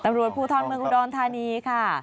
ตำรวจภูทรเมืองอุดรธานีค่ะ